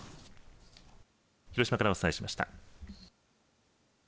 広島からお伝えしました。